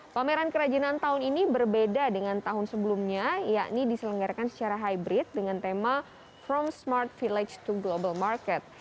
pameran kerajinan tahun ini berbeda dengan tahun sebelumnya yakni diselenggarakan secara hybrid dengan tema from smart village to global market